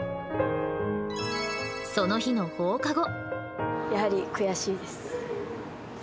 その日の放課後。